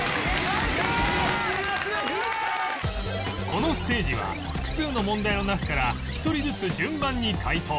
このステージは複数の問題の中から１人ずつ順番に解答